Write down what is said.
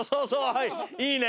はいいいね。